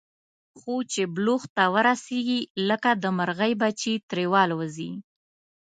خو چې بلوغ ته ورسېږي، لکه د مرغۍ بچي ترې والوځي.